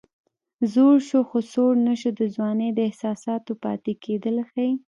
زوړ شو خو سوړ نه شو د ځوانۍ د احساساتو پاتې کېدل ښيي